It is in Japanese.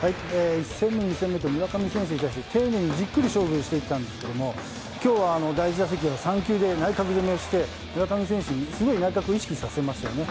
１戦目、２戦目と村上選手に対して丁寧にじっくり勝負していったんですが今日は第１打席は３球で内角攻めをして、村上選手にすごく内角を意識させましたね。